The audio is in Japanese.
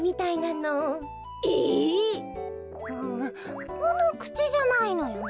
うんこのくちじゃないのよね。